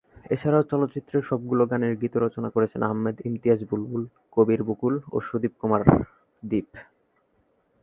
এছাড়াও চলচ্চিত্রের সবগুলো গানের গীত রচনা করেছেন আহমেদ ইমতিয়াজ বুলবুল, কবির বকুল ও সুদীপ কুমার দীপ।